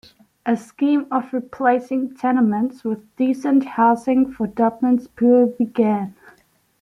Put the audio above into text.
A scheme of replacing tenements with decent housing for Dublin's poor began.